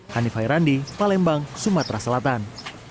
hanif hai randi palembang sumatera selatan